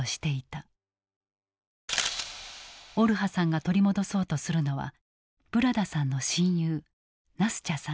オルハさんが取り戻そうとするのはブラダさんの親友ナスチャさん。